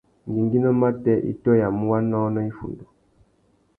Ngüéngüinô matê i tôyamú wanônōh iffundu.